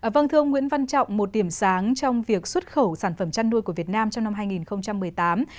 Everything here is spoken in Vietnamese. vâng thưa ông nguyễn văn trọng một điểm sáng trong việc xuất khẩu sản phẩm chăn nuôi của việt nam trong năm hai nghìn một mươi tám